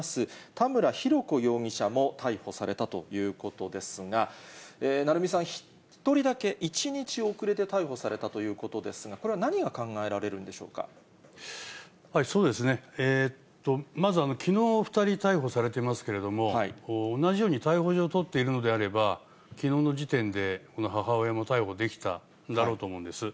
田村浩子容疑者も逮捕されたということですが、鳴海さん、１人だけ１日遅れて逮捕されたということですが、これは何が考えそうですね、まず、きのう２人逮捕されていますけれども、同じように逮捕状を取っているのであれば、きのうの時点でこの母親も逮捕できたんだろうと思います。